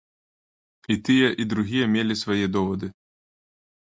І тыя і другія мелі свае довады.